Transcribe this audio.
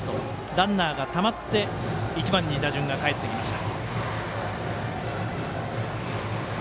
ランナーがたまって１番に打順がかえってきました。